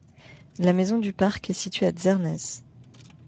La maison du Parc est située à Zernez.